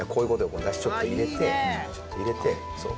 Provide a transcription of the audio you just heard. このダシちょっと入れてちょっと入れてそう・